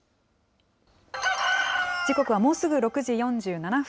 時刻はもうすぐ６時４７分。